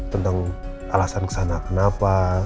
tentang alasan kesana kenapa